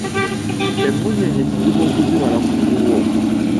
Emmunyeenye kizibu okuzibala ku ggulu okwo.